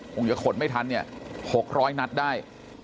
คงจะขนไม่ทันเนี่ย๖๐๐นัดได้